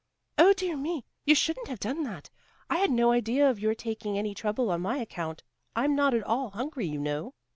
"Oh, dear me! You shouldn't have done that. I had no idea of your taking any trouble on my account. I'm not at all hungry, you know."